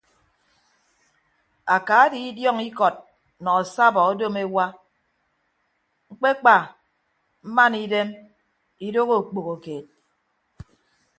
Aka die idiọñ ikọt nọ asabọ odom ewa ñkpekpa mmana idem idooho okpoho keed.